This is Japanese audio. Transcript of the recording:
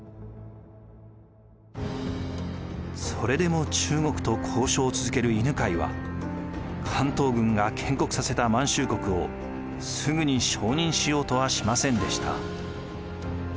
それでも中国と交渉を続ける犬養は関東軍が建国させた満州国をすぐに承認しようとはしませんでした。